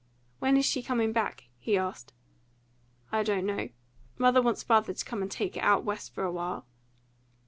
"When is she coming back?" he asked. "I don't know. Mother wants father to come and take her out West for a while."